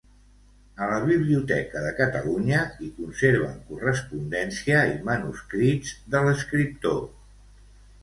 A la Biblioteca de Catalunya hi conserven correspondència i manuscrits de l'escriptor.